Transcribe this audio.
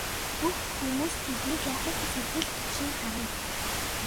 Бүх хүмүүс тэдний яахыг сэтгэл түгшин харна.